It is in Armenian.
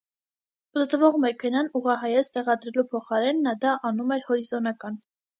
Պտտվող մեքենան ուղղահայաց տեղադրելու փոխարեն, նա դա անում էր հորիզոնական։